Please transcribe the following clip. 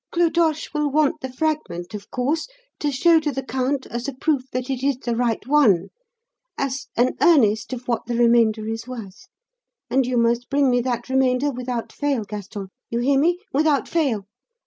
Clodoche will want the fragment, of course, to show to the count as a proof that it is the right one, as "an earnest" of what the remainder is worth. And you must bring me that "remainder" without fail, Gaston you hear me? without fail!